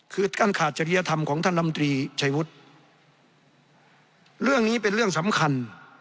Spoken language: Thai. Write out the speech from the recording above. คือการขาดจริยธรรมของท่านลำตรีชัยวุฒิเรื่องนี้เป็นเรื่องสำคัญ